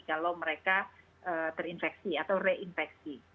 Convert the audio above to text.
kalau mereka terinfeksi atau reinfeksi